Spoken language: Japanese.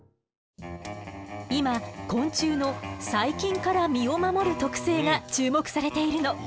今昆虫の「細菌から身を守る特性」が注目されているの。